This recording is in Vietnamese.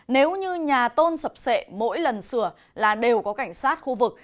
nếu như nhà tôn sập sệ mỗi lần sửa là đều có cảnh sát khu vực